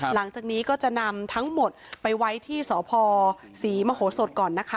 หลังจากนี้ก็จะนำทั้งหมดไปไว้ที่สพศรีมโหสดก่อนนะคะ